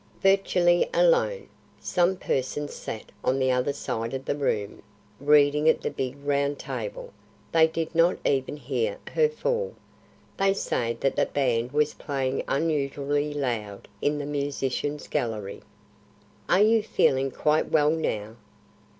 "Virtually alone. Some persons sat on the other side of the room, reading at the big round table. They did not even hear her fall. They say that the band was playing unusually loud in the musicians' gallery." "Are you feeling quite well, now?"